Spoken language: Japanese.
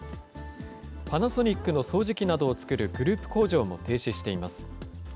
パナソニックの掃除機などを作るグループ工場も停止しています。